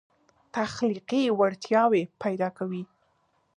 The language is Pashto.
تخلیقي وړتیاوې پیدا کوي.